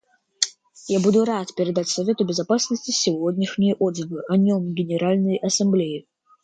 Я буду рад передать Совету Безопасности сегодняшние отзывы о нем Генеральной Ассамблеи.